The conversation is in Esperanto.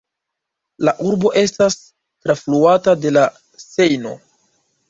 La urbo estas trafluata de la Sejno.